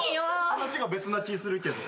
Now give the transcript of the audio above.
話が別な気ぃするけど。